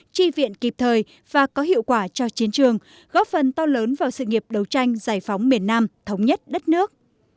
chi viện kịp thời và có hiệu quả cho chiến trường góp phần to lớn vào sự nghiệp đấu tranh giải phóng miền nam thống nhất đất nước